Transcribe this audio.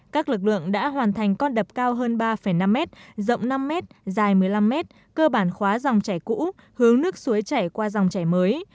các lực lượng đã hoàn thành con đập cao hơn ba năm mét rộng năm mét dài một mươi năm mét cơ bản khóa dòng chảy cũ hướng nước suối chảy qua dòng chảy mới